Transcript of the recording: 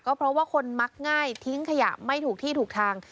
เพราะว่าคนมักง่ายทิ้งขยะไม่ถูกที่ถูกทาง